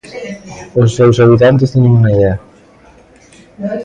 Os seu habitantes teñen unha idea.